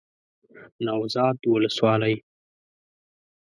نوزاد ولسوالۍ